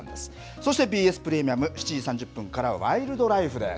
そしてＢＳプレミアム、７時３０分からはワイルドライフです。